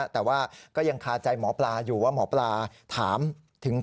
แต่ว่าก็ยังคาใจหมอปลาอยู่ว่าหมอปลาถามถึง